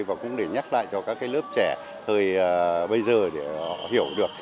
và cũng để nhắc lại cho các cái lớp trẻ thời bây giờ để họ hiểu được